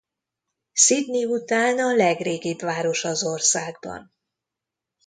Sydney után a legrégibb város az országban.